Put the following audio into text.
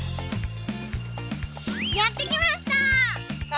やって来ました！